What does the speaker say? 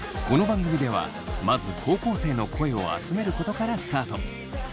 この番組ではまず高校生の声を集めることからスタート。